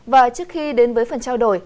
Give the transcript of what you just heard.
và trước khi đến với phần trao đổi